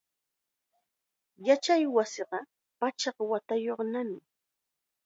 Yachaywasinqa pachak watayuqnami.